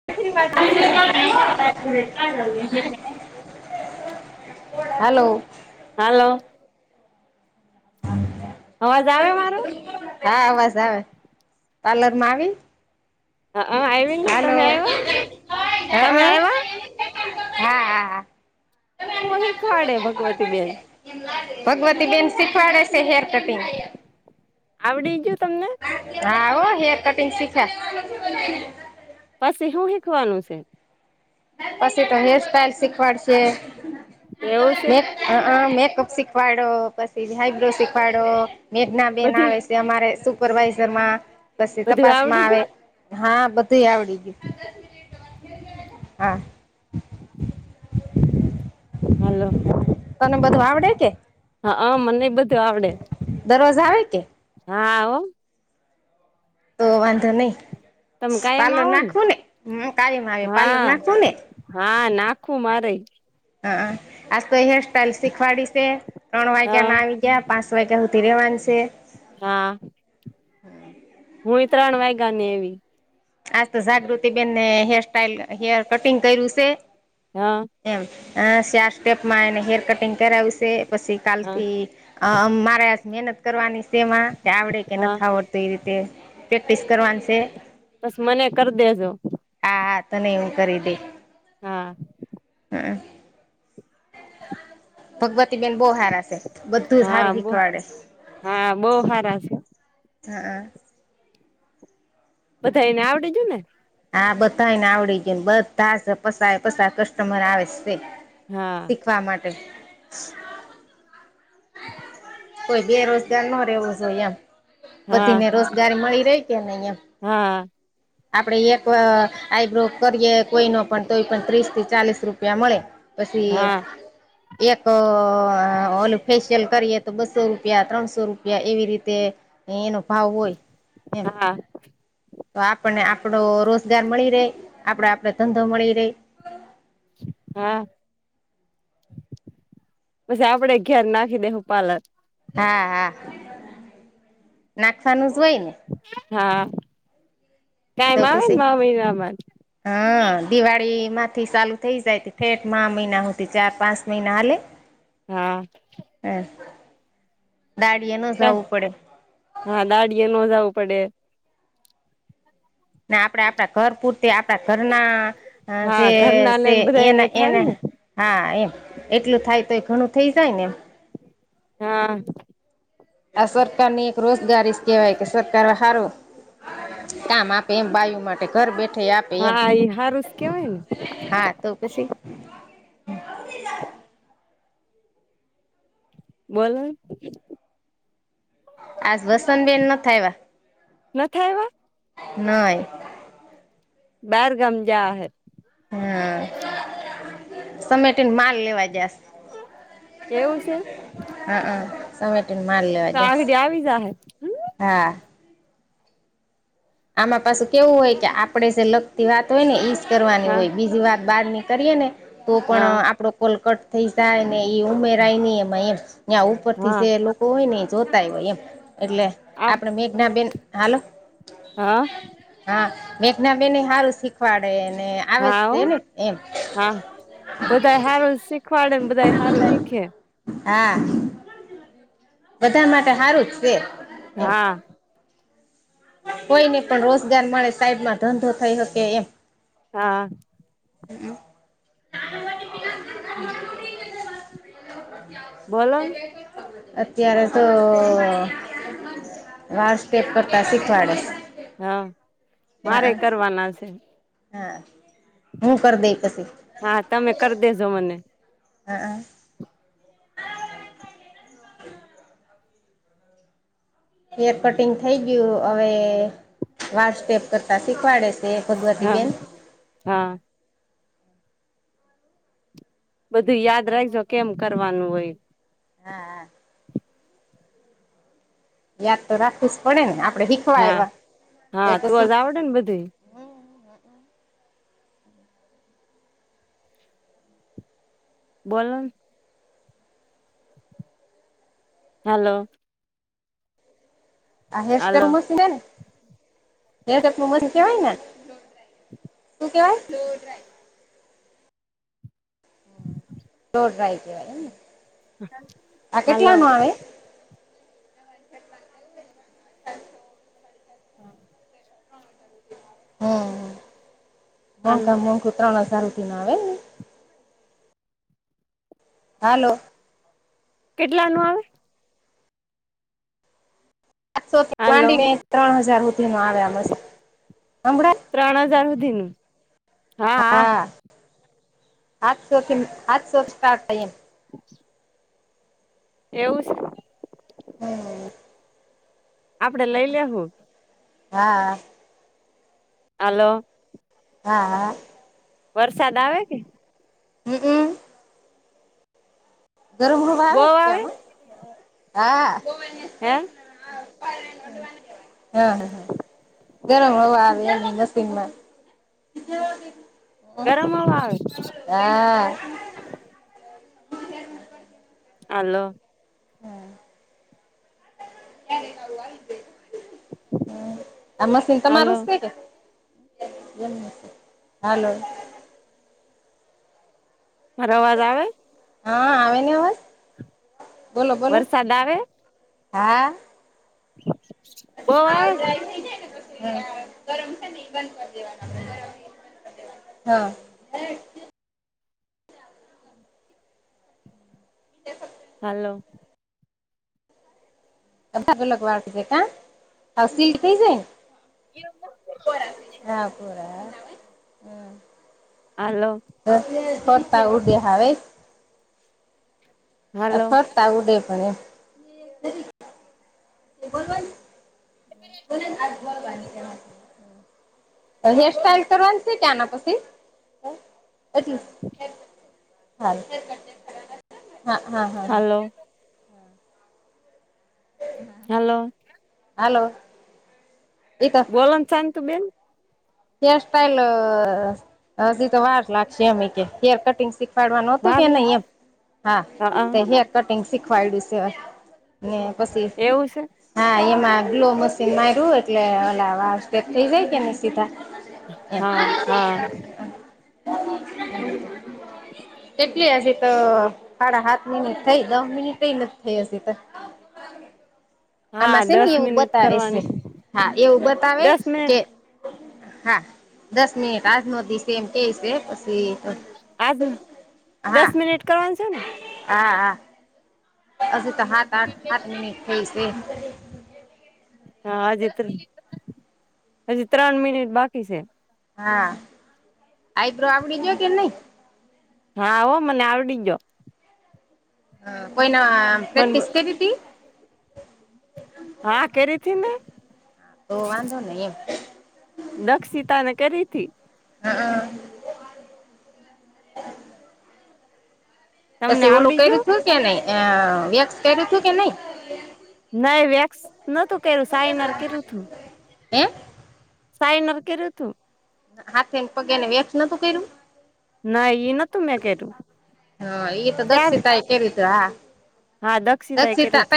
વા [unintelligible] [unintelligible] હલો હાલો અવાજ આવે મારો હા અવાજ આવે પાર્લર માં આવી હ આવી ને હલો તમે આવ્યા તમે આવ્યા [unintelligible] હ હા હુ શીખાડે ભગવતીબેન? ભગવતી બેેન શીખવાડે છે હેર કટિંગ આવડી જયું તમને? હા હો હેર કટિંગ શીખ્યા. પછી હું શીખવાનું છે? પછી તો હેર સ્ટાઈલ શીખવાડ છે. એવું છે? હ મેકઅપ શીખવાડો પછી આઈબ્રો શીખવાડો મેઘના બેન બધું આવે અમારે સુપરવાઈઝર માં પછી બધું તપાસમાં આવડી આવે ગયું હા બધું આવડી ગયું હા હલો તને બધું આવડે કે? હા હ મને બધું આવડે દરરોજ આવે કે હા આવો તો વાંધો તમે નહી કાયમ [unintelligible] આવો નાખવું ને કાળીમાં આવે હા [unintelligible] નાખવું ને હા નાખું મારે હા આજ તો હેર સ્ટાઈલ શીખવાડી છે ત્રણ હ વાગ્યા ના આવી ક્યા પાસ વાગ્યા હુંધી રેવાનસે હા હું ત્રણ વાયગા ને એવી આજ તો જાગૃતિ બેેનને હેર સ્ટાઇલ હેર કટિંગ કર્યું છે. હા એમ ચાર સ્ટેપમાં એને હેર કટિંગ કરાવ્યું છે પછી હા કાલથી અ મારે મહેનત કરવાની છે તેમાં આવડે કે હા નથી આવડ તો એ રીતે પ્રેક્ટિસ કરવાની છે બસ મને કરી દેજો હા હા તને હું કરી દે. હા હા ભગવતી બેેન બહુ સારા છે બધું હા સારું બો શીખવાડે હા બહુ હારા છે. હ અ બધા એને આવડેજ ને? હા બધાને આવડી ગય ને બધા પસ પસ કસ્ટમર આવે હા. શીખવા માટે. કોઈ બેરોજગાર ન રહેવો જોઈએ એમ હા બધી ને રોજગારી મળી ર કે નહી એમ હા. આપડે એક આઈબ્રો કરીએ કોઈ ન પણ તો એ પણ ત્રીસ થી ચાલીસ રૂપિયા મળે. પછી હા એક ઓલ ફેશિયલ કરીએ તો બસો રૂપિયા ત્રણસો રૂપિયા એવી રીતે એ એનભાવ હોય એમ હા. તો આપણને આપડો રોજગાર મળી રહે આપડો આપડ ધંધો મળી રહે હા પછી આપડે ઘેર નાખી દેવું પાલક હા હા નાખવાનું જ હોય ને. હા તો કાયમ આવે પછી ન મહિના બાદ હા દિવાળી માંથી ચાલુ થઇ જાય ઠેઠ મહિના હોતી ચાર પાંચ મહિના હાલે. હા. હ દાળિએ ન જવું પડે. હા દાડિએ નો જાવું પડે. ને આપડે આપડા ઘર પૂર તે આપણા ઘરના હા ઘરના ને જે બધાને એના થાય એને ને હા એમ એટલું થાય તો એ ઘણું થઈ જાય ને એમ. હા. આ સરકાર ની એક રોજગારી કેહેવાય કે સરકાર હારુ કામ આપે એમ બાયુ માટે ઘર બેઠા હા એઈ હારૂસ કેવાય ને. હા તો પછી. બોલો. આજ વસંત બેન ન થ એવા. નાથ આવ્યા. નાઈ. બારગામ જા હ. હમ્મ સમેટીને માલ લેવા જશ. એવું છે. હા હમ સમેટીને માલ લેવા તો જસ આગળ આવી જા હે હા. આમાં પાસેું કેવું હોય કે આપડે જે લગતી વાત હોય ને ઈજ કરવાની હા હોય બીજી વાત બાર ની. કરીએ ને તો હા પણ આપડો કોલકટ થઈ જાય. એ ઉમેરાય નહી એમાં એમ ત્યાં ઉપર થી હા જે લોકો હોય ને એ જોતાય હોય એમ. એટલે આમ આપડે મેઘનાબેન હાલો. હા. હા મેક ના બે ને સારું શીખવાડે ને આવે જ હા છે ને એમ હા બધા સારું શીખવાડે ને બધા સારું હીખીએ. હા. બધા માટે સારું જ છે. હા. કોઈ નઈ પણ રોજગાર મળે સાઈડમાં ધંધો થઈ શકે એમ હા. હમ્મ. બોલો ને [unintelligible] અત્યારે તો વાર સ્ટેપ કરતા શીખવાડે હા મારે હા કરવાના છે. હા હું કર દઈ પશે. હા તમે કરી દેજો મને. હા હં હેર કટિંગ થઈ ગયું. હવે વાળ સ્ટેપ કરતા શીખવાડે છે તે ભગવાતી બેન, હ બધુંય યાદ રાખજો કેમ કરવાનું હોય હા હા યાદ તો રાખવુ જ પડે ને આપડે હી હા હા તો જ આવડે ને બધુંય બોલો ને હાલો આ હેર સ્ટાઇલ હાલો નું મશીન હે ને [unintelligible] કેવાય ને શું કેવાય હ દોઢ રાઈ દેવાય એમ ને. હલો [inaudible] હમ હાલો મોંઘામ મોંઘુ ત્રણ હજાર રૂપિયાન આવે ને. હાલો. કેટલા નું આવે [unintelligible] હાલો માંડીને ત્રણ હજાર રૂપિયાનું આવે આ મશીન સંભળાય ત્રણ હજાર હુધીનું હા આ. આજ શોથી આજ સોચતા હતા એમ [unintelligible] એવું સે હમ. આપડે લઈ લેસુ હા. આલો. હા હા વરસાદ આવે કે. હંમક. ગરમડુ બહુ વાવે આવે ત્યાં હો હા. [unintelligible] હે હા હા ગરમ હવા આવે ઈ મશીન માંથી [unintelligible] ગરમ હવા આવે. હા. આલો હા હમ [unintelligible] આ મશીન હાલો તમારૂ સે ને હાલો. મારો અવાજ આવે હા આવે ને અવાજ, બોલો બોલો, વરસાદ આવે હા બહુ હા આવે કે જાય થઈ જાય ને પછી ગરમ છે ને એ બંધ કરી દેવના [unintelligible] હ [unintelligible] હલો બધા ને અલગ વાત હે કા સાવ સીલ થઇ જાયને હા પોરા હાલો ફતા ઉડે હાવે હાલો એફટ [inaudible] [inaudible] હેરસ્ટાઈઇલ કરવાની છે કે આના પછી એટલ હા હા હા હા હા હાલો હ હલો! હલોએ.? બોલન સા તું બેન? હેર સ્ટાઈલ હધી તો વાર લાગશે એમ કે હેર કટિંગ શીખ શીખડવાનું હતું વાર કે લા નહી એમ હા હેર કટિંગ શીખવાડ્યું છે. ને પછી એવું છે હા એમાં ગ્લો મશીન માર્યું એટલે ઓલા વાળ થઇ જાય કે ન સીધા. એમ હા હા કેટલી હજી તો સાડા સાત મિનિટ થઈ દ મિનિટ નથી થઈ હજી તો. આમાં હા છે ને દસ એવું મિનિટ બતાવે છે કરવાની હા એવું બતાવે દસ કે મિનિટ હા દસ મિનિટ આજ નોંધી સમ કે છે પછી આજ હા દસ મિનિટ કરવાની છે ને હા હા હજ તો સાાત આઠ સાત મિનિટ થઈ છે. હા આજે હજ ત્રણ મિનિટ બાકી છે. હા આઈબ્રો આપડી જોય કે નહી.? હા હો મને આવડી ગિયો. હ કોઈના પર મને પ્રેક્ટીસ કરી હતી? હા કરી હતી ને. તો વાંધો નહી એમ. દક્ષિતા ને કરી હતીથી. હમ હમ તમને પછી ઓલું આવડી કર્યું ગયો હતું કે નહી અ વેકસ કર્યું હતું કે નહી? નહી વેક્સ નતું કર્યું સાઇનર કરું તું. હે? સાયનર કર્યું તું. હાથેને પગેને વેક્સ નોતું કર્યું? ના ઈ નતું મેં કર્યું. હા એ તો ત્યારે દક્ષીતા‌એ કઈતી હાહ હા દ દક્ષિતા ત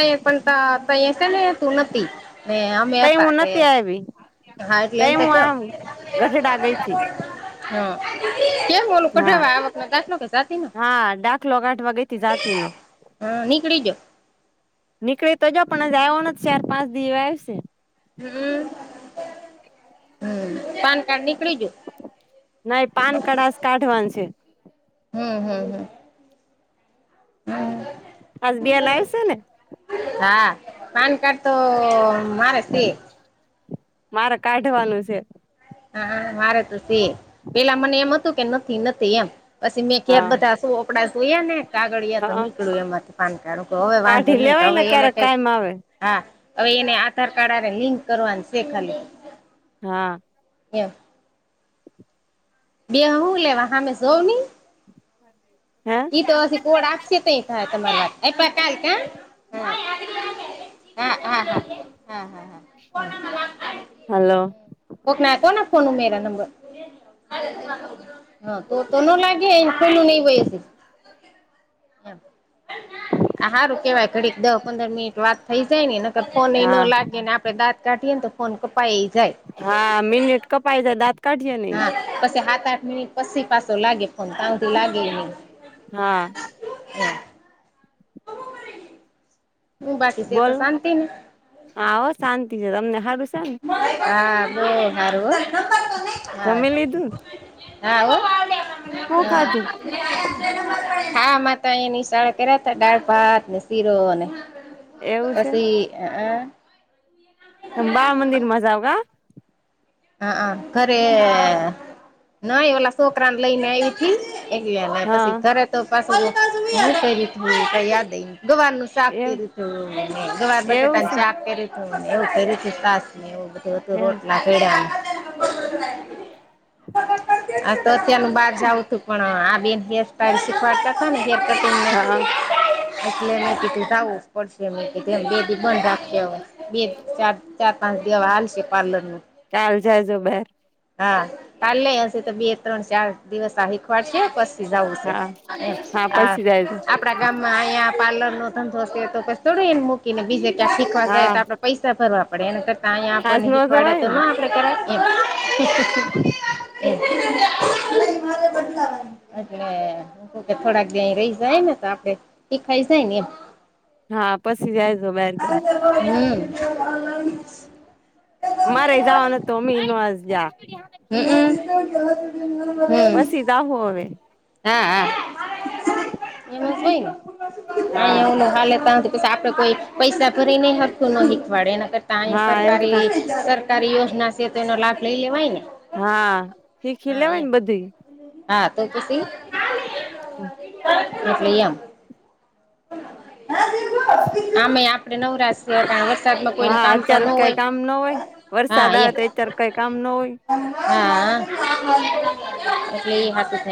પણ તતું નથી ને તઈ હું નથી આવી. હાારટલે એમ તઈ હું તક આમ ગઢડા ગઈ હતી હમ. કેમ બોલું હા કઢવા આ વક ન દાખલો ન કે જાથી નો? હા દાખલો કાઢવા ગઈ તી જાતિ નો હા નીકળી ગ્યો? નીકળી તો જ પણ આવ્યો નથી ચાર પાંચ દિવ આવશે. હમ હમ પાન કાર્ડ નીકળી ગ્યું? નહીં પાનકાર્ડ આજ‌ કાઢવાનું છે. હમ હમ હમ હમ આજે બેન આવશે ને? હા પાનકાર્ડ તો મારે સે. મારે કાઢવાનું છે. હા મારે તો સે પેલા મને એમ હતું કે નથી નથી એમ પછી મેં ઘેર હા બધા ચોપડા જોયા ને કાગળયા તો હા નીકળ્યું એમાંથી પાનકારું હવે વાંધો કાઢી નહી લેવાય હવે ને એને ક્યારેક કાઈ કાયમ આવે હા હવે એને આધાર કાર્ડ અને લિંક કરવાનું શેખાલી હા. એમ બે હું લેવા હામે જોવ ને હા. ઈ તો હછી કોડ આપશે તયે થાહે તમારી વાત આયપા કાલ કા હા હા હા હા હા હા હલો કોક ના કોના ફોન ઉમેર્યા નંબર હા તો તો નો લાગે એને ખોલયુ નહી હોય હજી આ હારું કેવાય ઘડીક દહ પંદર મિનિટ વાત થઈ જાય ને ફોન એ નો હા લાગે ને આપડે દાંત કાઢીએને તો ફોન કપાઈ જાય હા મિનીટ કપાય જાય દાંત કાઢઈએ ને ઈ હા પછી સાત આઠ મિનિટ પછી પાછો લાગે ફોન તા સુધી લાગેય નહી. હા. હુ બાકી તે તો બોલો શાંતિ ને હા હો શાંતિ છે તમને સારું છે ને હા બઉ હારુ હો હારુ જમી લીધું હા હો હા હું ખાધું હા માર તો અહીંયા નિશાળા કર્યા તા દાળ ભાત ને શીરો ને એવું છે પછી હઅ તમ બાળ મંદિરમાં જાવ હા હા હ ઘરે નઈ ઓલા છોકરા ને લઈને આયવી તી એક પછી હા ઘરે તો પાછ યાદ [unintelligible] ચાક એવું તીતું ગવારબટ એવું તન ચાક તરી હવ તરી શ છે રોટલા [inaudible] હા તો અત્યારનું બહાર જાવું તું પણ આ બે હેર સ્ટાઈલ શીખવાડતા [unintelligible] તમને હા એટલે મેં કીધું ત ઉપર છ [unintelligible] બેદી બંધ રાખય હવ. બે ચાર ચાર પાંચ દેવા હાલશે પાર્લર નુ ચાલ જાય જો બે હા ચાલ લઈ હસે તો બે ત્રણ ચાર દિવસ આ શીખવાડ છે પસ જાવુ છે હા હા આ પસી જાય છે આખુ આપણા ગામમાં અહીંયા પાર્લરનો ધંધોશે તો પછી થોડુ એને મૂકીને બીજે ક્યાં શીખવા જાય હા તો આપડ પૈસા ભરવા પડે એના કરતા અહીંયા આજ આપને નો શીખવાડે જવાય તો ના ને આપડે કરાએ એમ [inaudible] નઈ મારે બદલાવાય એટલે કે થોડાક દી અહીં રહી જાય ને તો આપડે શીખાઈ જાય ને એમ હા પછી જાય જો બાર ગામ હમ્મ [inaudible] મારે જવાનું તોમી ન વાસ જા, હમ્મ હમ્મ હમ્મ. જાહૂ અમે હા હા [inaudible] હા આયા ઓલુ હાલે તા હુદી પછી આપડે કોઈ પૈસા ભરીને હરખું ન શીખવાડે એના કરતા અહી હા એમ કેતા સરકારી સર સરકારી યોજના છે તો એનો લાભ લઈ લેવાય ને હા શીખી હા લેવાય એમ ને બધી હા તો પછી હા. આપણે એમ [unintelligible] આમેય આપડે નવરાશએ કારણ વરસાદમાં કોઈ ને હા કામ તો ન અત્યારે કઈ હોય કામ ન હોય વરસાદ આવે એમ તો એ તાર કઈ કામ નો હોય. હા હા એ હાચુ થાય